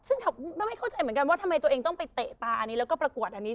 ซึ่งก็ไม่เข้าใจเหมือนกันว่าทำไมตัวเองต้องไปเตะตาอันนี้แล้วก็ประกวดอันนี้